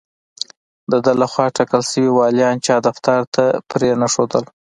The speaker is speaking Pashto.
د ده له خوا ټاکل شوي والیان چا دفتر ته پرې نه ښودل.